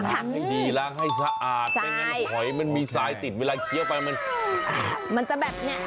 ใช่ล้างสัก๕๖น้ำเลยนะขุ่น